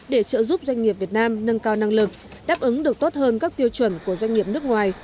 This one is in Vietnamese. để trợ giúp doanh nghiệp việt nam nâng cao năng lực đáp ứng được tốt hơn các tiêu chuẩn của doanh nghiệp nước ngoài